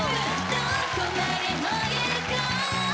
どこまでも行こう